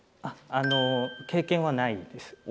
あの経験はないです。